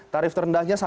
tarif terendahnya sama